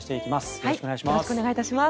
よろしくお願いします。